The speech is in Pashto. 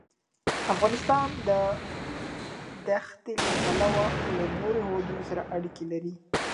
افغانستان د دښتې له پلوه له نورو هېوادونو سره اړیکې لري.